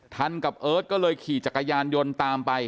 กับเอิร์ทก็เลยขี่จักรยานยนต์ตามไป